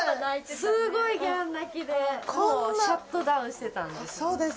すごいギャン泣きでもうシャットダウンしてたんです。